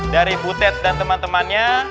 dari butet dan teman temannya